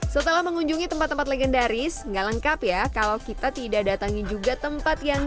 setelah mengunjungi tempat tempat legendaris enggak lengkap ya kalau kita tidak datangi juga tempat yang